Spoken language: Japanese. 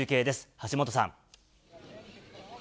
橋本さん。